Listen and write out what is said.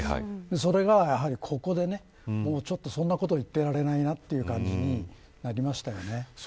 それが、ここでそんなこと言ってられないなという感じになりましたよね。